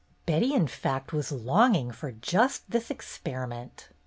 Betty, in fact, was longing for just this experiment.